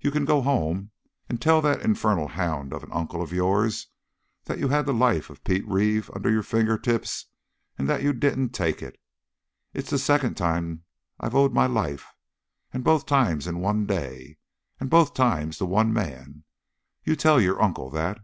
You can go home and tell that infernal hound of an uncle of yours that you had the life of Pete Reeve under your fingertips and that you didn't take it. It's the second time I've owed my life, and both times in one day, and both times to one man. You tell your uncle that!"